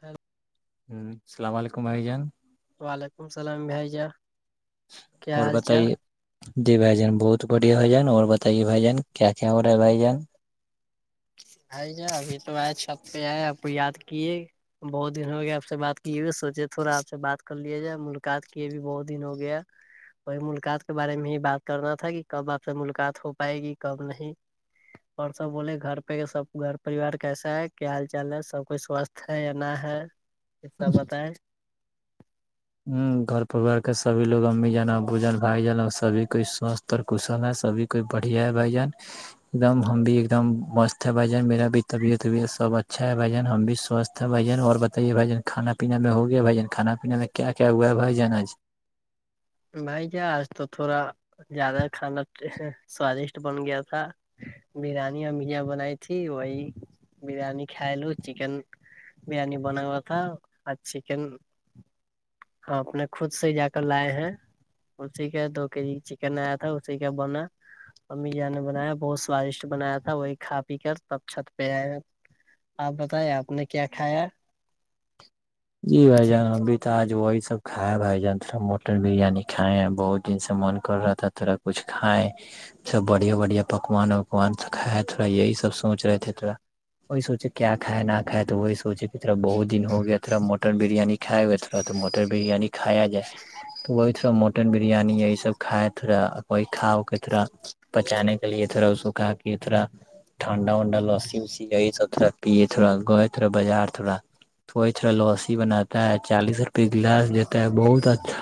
ہاں السلام علیکم بھائی جان وعلیکم السلام بھائی جہ اور بتائیے جی بھائی جان بہت بڑھیا بھائی جان اور بتائیے بھائی جان کیا کیا ہو رہا ہے بھائی جان بھائی جان ابھی تو آئے چھت پہ آئے آپ کو یاد کیے بہت دن ہو گیا آپ سے بات کیے ہو سوچے تھوڑا آپ سے بات کر لیا جائے ملاقات کیے بھی بہت دن ہو گیا وہی ملاقات کے بارے میں ہی بات کرنا تھا کہ کب آپ سے ملاقات ہو پائے گی کب نہیں پرسا بولے گھر سب گھر پریوار کیسا ہے کیا حال چال ہے سب کچھ سوستھ ہے یا نہ ہے سب بتائیں ہ گھر پرریوار کے سبھی لوگ امی جانا ابو جان بھائی جان اور سبھی کوئی سواستھ پر کشل ہے سبھی کوئی بڑھیا ہے بھائی جان ایک دم ہم بھی ایک دم مست ہے بھائی جان میرا بھی طبیعت وبیعت سب اچھا ہے بھائی ذہبجان ہم بھی سوستھ بھائی جان اور بتائیے بھائی جان کھانا پینا میں ہو گیا بھائی جان کھانا پیانا میں کیا ہوا ہے بھائی جان آج بھائی جان آج تو تھوڑا زیادہ کھانا سوادشٹ بن گیا تھا بریانی ا می جان بنائی تھی وہی بریانی کھا لو چکن بریانی بنا ہوا تھا اور چکن اپ نے خود سے جا کر لائے ہیں ان سےکیا دو کے جی چکن آیا تھا اسی کا بنا امی جان نے بنایا بہت سوادشٹ بنایا تھا وہی کھا پی کر تب چھت پہ آئے ہیں آپ بتائی آپ نے کیا کھایا جی بھائی جان تھا آج وہی سب کھائے ہے بھائی جان تھڑا مٹن بریانی کھائے ہیں بہت دن سے من کر رہا تھا تھوڑا کچھ کھائے سب بڑھیا بڑھیا پکوان وکوان س کائے تھوڑا یہی سب سوچ رہے تھے تھوڑا وہی سوچے کیا کھائے نہ کھائے تو وہی سوچے کہرا بہت دن ہو گیارا مٹن بریانی کھائے ہوئے تھا تو مٹر بریانی کایا جائے تو وہی تھا مٹن بریانی ہے یہ سب کھائے تھا وہی کھاؤ کے تھوڑا بچانے کے لیے تھرا اس کو کہا کہ تھرا ٹھنڈا وڈا لسی و یہی سب تھوڑا پیے تھوڑا گیے بازا تھوڑا اچھا لوسی بناتا ہے چالیس روپئے گلاس دیتا ہے بہت اچھا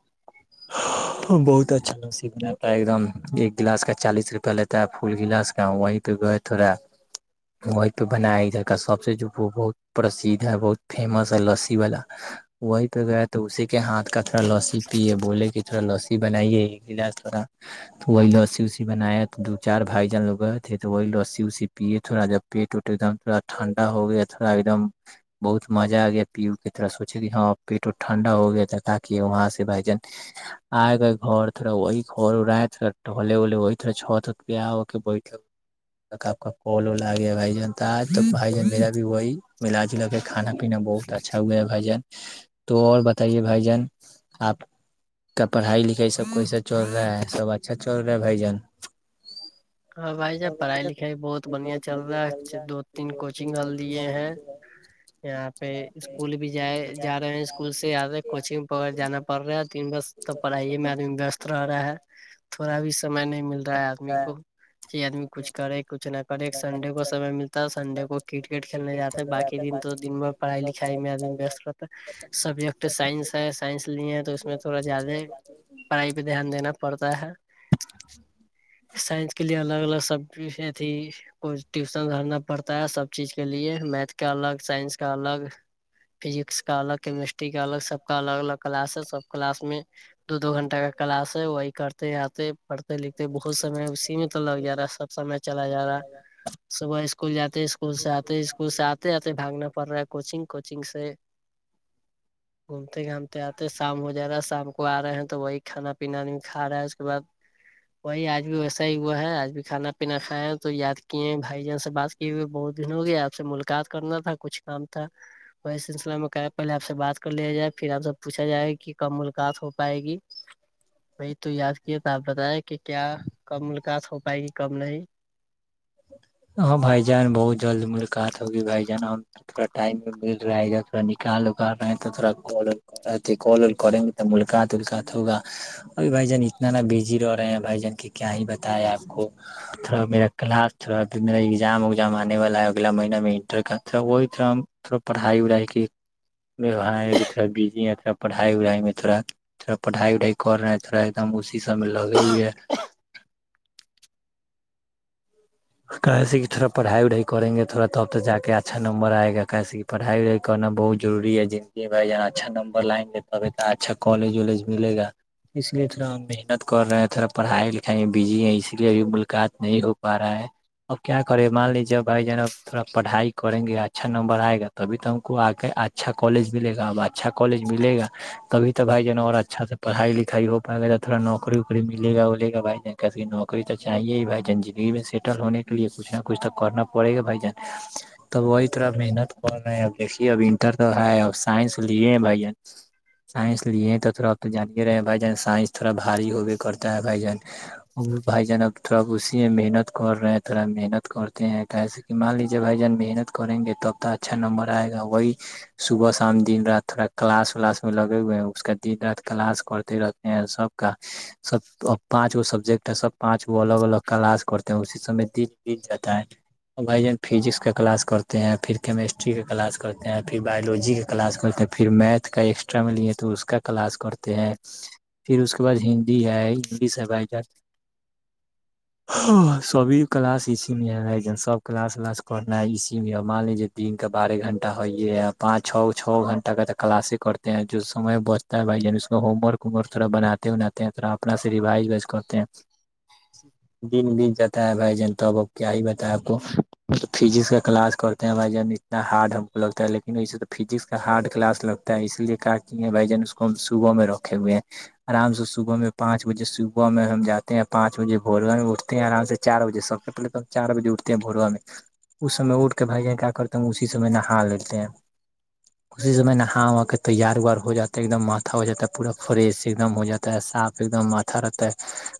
[inaudible] بہت اچھا لسی بنتا ہے ایک دم ایک گلاس کا چالیس روپیہ لیتا ہے فل گلاس کا وہیں پہ گ تھوڑا وہیں پہ بنایا ادھر کا سب سے جو وہ بہت پرسھ یہ بہت فیمس ہے لسی والا وہی پہ گیا تو اسی کے ہاتھ کا تھوڑا لسی پیے بولے کہ تھوڑا لسی بنائیے ایک گلاس تھوڑا تو وہی لسی وسی بنایا تو دو چار بھائی جان لوگئے تھے تو وہی لسی وسی پیے تھوڑا جب پیٹ وٹ ایک دم تھوڑا ٹھنڈا ہو گیا تھڑا ایک دم بہت مزہ آ گیا پیو کی طرح سوچے گے ہاں پیٹ ٹھنڈا ہو گیا تھا تاکہ وہاں سے بھائی جان آئے گا گھر تھوڑا وہی گھر رہئے تھڑا ڈلے وے وہی تھڑا چھ تک بیا ہو کے ب تک آپ کا کال و ل آ گیا بھائی جان آج تو بھائی جان میرا بھی وہی ملا جلا کے کھانا پینا بہت اچھا ہوا ہے بھائی جان تو اور بتائیے بھائی جان آپ کا پڑھائی لکھائی سب کوئی سے چل رہا ہے سب اچھا چل رہا ہے بھائی جن ہاں بھائی جان پڑھائی لکھائی بہت بڑھیا چل رہا ہے دو تین کوچنگ ال دیے ہیں ہ [inaudible] یہاں پہ اسکول بھی جائے جا رہے ہیں اسکول سے آے کوچنگ ویرہ جانا پڑ رہا ہے تین بس تو پڑھائیے میں آدمی وست رہ رہا ہے تھوڑا بھی سمے نہیں مل رہا ہے آدمی کو کہ آدمی کچھ کرے کچھ نہ کرے سنڈے کو سمے ملتا ہے سنڈے کو کرکٹ کھیلنے جاتا باقی دن تو دن بھر پڑھائی لکھائی میں آد وست رہتا ہے سبجیکٹ سائنس ہے سائنس نہیں ہے تو اس میں تھوڑا زیادہ پڑھائی پہ دھیان دینا پڑتا ہے سائنس کے لیے الگ الگ سبزیز تھی کوئی ٹیوشن کرھرنا پڑتا ہے سب چیز کے لیے میتھ کا الگ سائنس کا الگ فزکس کا الگ کیمسٹری کا الگ سب کا الگ الگ کلاس ہے سب کلاس میں دو دو گھنٹہ کا کلاس ہے وہی کرتے آتے پڑھتے لکھتے بہت سمے سیمت جا رہا سب سمے چلا جا رہا ہے صبح اسکول جاتے اسکول سے آتے اسکول سے آتے آتے باگنا پڑ رہا ہے کوچنگ کوچنگ سے گھومتے گھامتے آتے شام ہو جا رہا شام آ رہے ہیں تو وہی کھانا پینا کھا رہا ہے اس کے بعد وہی آج بھی ویسا ہی ہو ہے آج بھی کھا پینا کھائے ہے تو یاد کیے بھائی جان سے بات کیے ہوئے بہت دن ہو گئے آپ سے ملاقات کرنا تھا کچھ کام تھا وہی سلسلہ میں کیا پہلے آپ سے بات کر لیا جائے پھر آپ سے پوچھا جائے کہ کب ملاقات ہو پائے گی وہی تو یاد کیاے تو آپ بتائیں کہ کیا کب مولاقات ہو پائے گی کب نہیں ہاں بھائی جان بہت جلد ملاقات ہوگی بھائی جان اور تھوڑا ٹائم میں مل رہا ہے تھوڑا نکال وکال رہے ہیں تو تھوڑا کال کریں گے تو ملکات تلکات ہوگا ابھی بھائی جان اتنا نا بزی رہ رہے ہیں بھائی جان کی کیا ہی بتائے آپ کو تھوڑا میرا کلاس تھا ایگزام اگزام آنے والا ہے اگلا مہیہ میں انٹر کا تھر تھوڑا پڑھائی وڑھائی کے ووار تھوڑا بزی ہیں تھوڑا پڑھائی وڑھائی میں تھوڑا تھوڑا پڑھائی وڑائی کر رہے ہیں تھوڑا ایک دم اسی سب میں لگی ہے کیسے کہ تھوڑا پڑھائی وڑھائی کریں گے تھوڑا تب تو جا کے اچھا نمبر آئے گا کیسی پڑھائی وڑائی کرنا بہت ضروری ہے زندگی میں اچھا نمبر لائنے گے اچھا کالج وجلے ملے گا اس لیے تھوڑا ہم محنت کر رہے ہیں تھوڑا پڑھائی لکھائی میں بزی ہیں اس لیے ابھی ملاقات نہیں ہو پا رہا ہے اب کیا کرے مان لیجے جب بھائی جناب تھوڑا پڑھائی کریں گے اچھا نمبر آئے گا تبھی تو ہم کو آ اچھا کالج ملے گا اب اچھا کالج ملے گا کبھی تو بھائی جان اور اچھا سے پڑائی لکھائی ہو پائے گا تو تھواوکری ووکری ملےاولے گا بھائی جان کبھی نوکری تو چاہیے ہی بھائی زندگی میں سے ہوٹل ہونے کے لیے کچھ نہ کچھ تو کرنا پڑے گا بھائی جان تب وہی طرح محنت کر رہے ہیں دیکھیے اب انٹر تو ہے ا سائنس لیے بھائی جان سائنس لیے تو تھوڑا آپ تو جان کے رہے بھائی جان سائنس تھوڑا بھاری ہوو کرتا ہے بھائی جان بھائی جان اب تھوڑا اسی میں محنت کر رہے ہیں تھوڑا محنت کرتے ہیں توسے کہ مان لیجیے بھائی جان محنت کریں گے تو اب تو اچھا نمبر رہئے گا وہی صبح شام دن رات تھوڑا کلاس ولاس میں لگے ہوئے ہیں اس کا دن رات کلاس کرتے رہتے ہیں سب کا سب اب پانچ گو سبجیکٹ ہے سب پانچ گو الگ الگ کلاس کرتا تو اسی سمے دی بیت جاتا ہے بھائی جان فزکس کا کلاس کرتے ہیں پھر کیمیسٹری کا کلاس کرتے ہیں پھر باولوجی کا کلاس کرتے ہیں پھر میتھ کا ایکسٹرا میں لیے تو اس کا کلاس کرتے ہیں پھر اس کے بعد جم ہندی ہے انگلش ہے بائی سبھی کلاس اسی میں ہے سب کلاس ولاس کرنا اسی میں مان لجیے دن کا بارہ گھنٹہ ہو پانچ چھ چھ گنٹھ کا کلاس کرتے جو سمے بچتا ہے بھائی جان اس کو ہوم ورک ووم ورک تھڑا بناتے ہو نا تھڑا اپنا سے ریوائج ووائج کرتے ہیں دن دن جات بتا ہے بھائی جان تو اب کیا ہی بتا ہے آپ کو فجکس کا کلاس کرتے ہیں بھائی جان اتنا ہارڈ ہم کو لگتا ہے لیکن ویسے تو فجکس کا ہارڈ کلاس لگتا ہے اس لیے کہ ہے بھائی جان اس کو ہم صبح میں رکھے ہوئے ہیں آرام سے صبح میں پانچ بجے صبح میں ہم جاتے ہیں پانچ بجے بور گن میں اٹھتے ہیں آرام سے چار بجے سب سے پہلے تو ہم چار بجے اٹھتے ہیں بھوروا میں اس س میں اٹھ کر کے بھائی جان کیا کرتے ہیں اسی س میں نہا لیتے ہیں [inaudible] اسی سمے نہا واں کے تیار وار ہو جاتا ہے ایک دم ماتھا ہو جاتا ہے پورا فریش ایک دم ہو جاتا ہے صاف ایک دم ھ اچھا رہتا ہے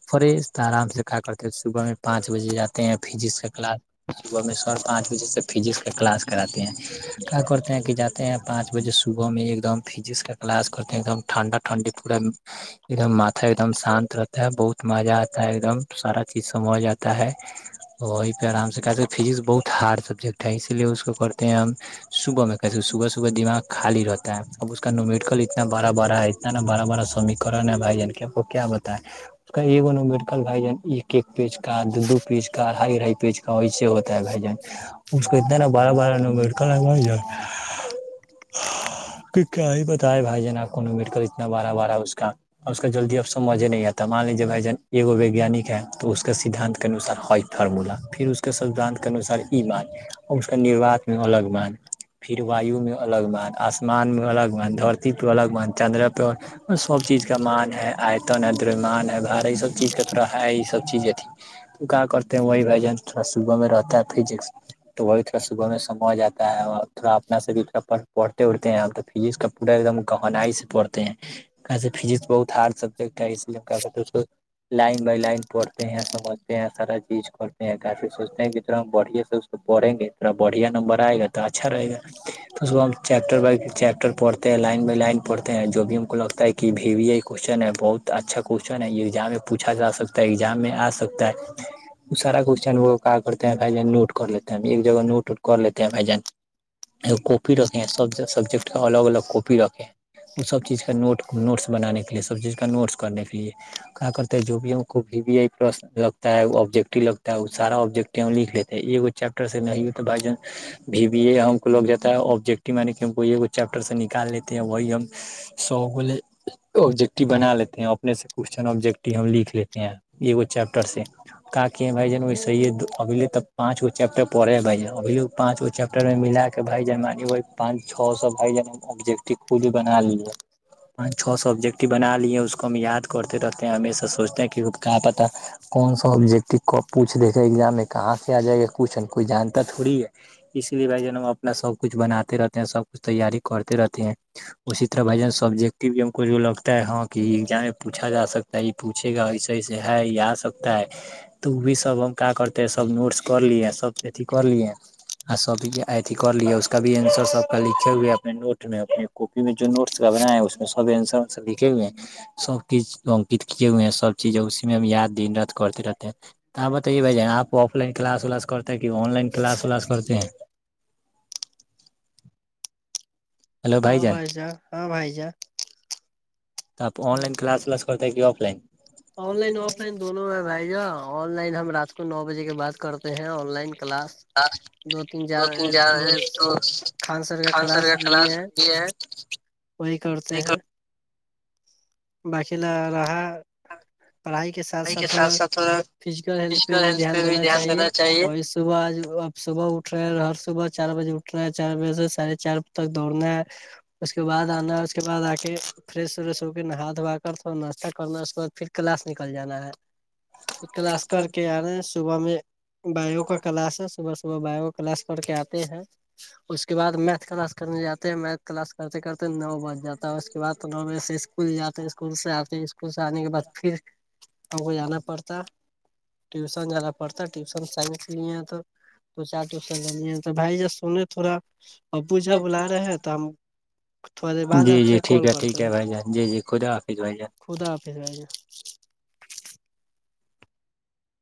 فریش آرام سے کیا کرتے ہیں صبح میں پانچ بجے جاتے ہیں فزکس کا کلاس صبح میں ش پانچ بجے سے فزکس کا کلاس کراتے ہیں کیا کرتے ہیں کہ جات تے ہیں پانچ بجے صبح میں ایک دم فجکس کا کلاس کرتے ہیں ایک دم ٹھنڈا ٹھنڈی پورا ایک دم ماتھا ایک دم شانت رہتا ہے بہت مزہ آتا ہے ایک دم سارا چیز جسم جاتا ہے ہے وہیں پہ آرام سے کہتے فزکس بہت ہارڈ سبجیکٹ ہے اسی لیے اس کو پڑھتے ہیں ہم صبح میں کیس صبح صبح دماغ خالی رہتا ہے اب اس کا نمیڈکل اتنا بڑا بڑا ہے ہے نا بڑا بڑا سیکرن ہے بھائی جان کے آپ کو کیا بتائے کہیے وہ مڈکل بھائی جان ایک ایک پیج کا دو دو پیج کا ہائی ہائی پیج کا ویسے ہوتا ہے بھ جن کتنا بارا بارا ن مٹکا لگ ج کہ کیا ہی بتائے بھائی جان آ کونمیٹ کر اتنا بارہ بارا اس کا ا اس کا جلدی اب سے مزے نہیں آتا مان لیجیے بھائی ج ایک ویگیانک ہے تو اس اس کے سدھانت کے انوسار ہ فرمولا پھر اس کے سدھان کے انوسار ای مان اور اس کا نوات میں الگ مان پھر وایو میں الگ بان آسمان میں الگ بان دھرتی پہ الگ بان چندر پہ سب چیز کا مان ہے آئیتن ہے درمان ہے بار سب چیز کا تھورا ہے یہ سب چیز تو کیا کرتے ہیں وہی بھ جان تھوڑا صبح میں رہتا ہے فج تو وہ بھی تھوڑا صبح میں سمو جاتا ہے اور تھوڑا اپنا سے بھیا پڑھتے اڑھتے ہیں ا تو فزکس کا پورا ایک دم گنائی سے پڑھتے ہیں فجکس بہت ہارڈ سبجیکٹ ہے اس لیے لائن بائی لائن پڑھ ستے ہیں سمجھتے ہیں سارا چیز کرتے ہیں کافی سوچتے ہیں کتر ہم بڑھے سے اس کو پڑھیں گے تھا بڑھیا نمبر آئے گا اچھا رہ گا [inaudible] تو اس کو ہم چیپٹر بائی چیپٹر پڑتے لائن میں لائن پڑھتے ہیں جو بھی ہم کو لگتا ہے کی بھی ائی کون ہے بہت اچھا کوشچن ہے یہ ایگزام میں پوچا جا سکتا ہے ایگزام میں آ سکتا ہے وہ سارا کوشچن وہ کہا کرتے ہیں بھائی نوٹ کر لیتے ہیں ایک جگہ نوٹ کر لیتے کیا بھائی جان کاپی رکھے سب سبجیکٹ کا الگ الگ کاپی رکھے وہ سب چیز کا نوٹ نوٹس بنانے کے لیے سب چیز کا نوٹس کرنے کے لیے کیاا کرتے جو بھی ہم و پر لگتا ہے ا آبجیکٹو لگتا ہے وہ سارا آبجیکٹ لکھ لیتا ہےیہ چیپٹر سے نہیں ہو تو بھائی جان بی بی اے ہم کو لگ جاتا ہے آبجیکٹو یعنی کہ ہم کو چیپٹر سے نکال لیتے ہیں وہی ہم سو بولے آبجیکٹیو بنا لیتے ہیں اپنے سے کوشچن آبجیکٹو ہم لکھ لیتے ہیں یہ وہ چاپٹرس سے کا کہے ہیں بھائی جان وسے اگیلے ت پانچ گو چیپٹر پڑے ہے بھائی جان ابھیے پانچ گ چیپٹر میں ملا کے بھائی جان م پانچ چو سوا جانبجٹ ک بنا لی پانچ چھ سو آبجیکٹ بنا لیے ہیں اس کو ہم یاد کرتے رہتے ہیں ہمیشہ سوچتے ہیں کہ کیا پتا کون سا آبجیکٹ کب پوچھ د ےجایگےہمیں کہاں سے آ جائے گا کچھ کوئی جانتا تھوڑی ہے اس لیے بھائی جان ہم اپنا سب کچھ بناتے رہتے ہیں سب کچھ تیاری کرتے رہتے ہیں اسی طرح بجن سبجیکٹو بھی کو جو لگتا ہے ہاں کہ ایگزام پوچا جا سکتا ہے یہ پوچے گا سے ہے یہ آ سکتا ہے تو وہ بھی سب ہم کیا کرتے سب نوٹس کر لیے سب اھی کر لیے آ سب ایھی کر ل اس کا بھی آسر سب کا لکھے ہوئے اپنے نوٹ میں اپ کوپی میں جو نوٹس کا بنا ہے اس میں سب اسرر لکھے ہوئے ہیں سب چیز کیمپلٹ کے ہوئے ہیں سب چی اس میں ہم یاد دن رات کرتے رہتے ہیں تو آپ بتائیے بھائی جان آپ آف لائن کلاس ولاس کرتا ہے کہ آن لائن کلاس ولاس کرتے ہیں ہلو بھائی ہاں جان ہاں بھائی جان آپ آن لائن کلاس والاس کرتا ہے کہ offline online offline دونوں ہیں بھائی جان آن لائن ہم رات کو نو بجے کے بعد کرتے ہیں آن لائن کلاس ہاں دو تین جار تو خان سر کا کلاس لیے ہے وہی کرتے ہیں باقی ل رہا پڑھائی کے س ساتھ ساتھا فزیکل ہیلتھ پہ بھی دھیان دینا چاہیے اور اس تو آج صبح آج اب صبح اٹھ رہے ہے ہر صبح چار بجے اٹھ رہا ہے چار بجے سےاڑھے چار بج تک دوڑنا ہے اچ [unintelligible] اس کے بعد آنا اس کے بعد آکے فریش وریش ہو کے نہا دھو کر تھوڑا ناشتہ کرنا اس کے بعد پھر کلاس نکل جانا ہے پھر کلاس کر کے آنا ہے صبح میں بایو کا کلاس ہے صبح صبح بائیو کا کلاس پڑکے آتے ہیں اس کے بعد میتھ کلاس کرنے جات ہیں میتھ کلاس کرتے کرتے نو بج جاتا ہے اس کے بعد نو بجے سے اسکول جاتے اسکول سے آتے اسکول سے آنے کے بعد پھر ہم کو جانا پڑتا ٹیوشن جانا پڑتا ٹیوشن سائنس نہیں تو تو چاٹ س تو بھائی جب سونے تھوڑا ابوجان بلا رہے ہیں تو ہم تھوڑی دیر بعد جی آپ جی سے ٹھیک کال ہے ٹھیک کرتے ہے ہیں بھائی جان جی جی خدا حافظ بھائی جان خدا حافظ بھائی جان